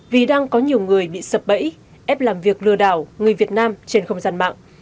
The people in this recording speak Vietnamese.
vì đang có nhiều người bị sập bẫy ép làm việc lừa đảo người việt nam trên không gian mạng